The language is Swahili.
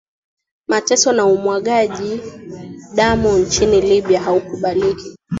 mateso na umwagaji damu nchini libya haukubaliki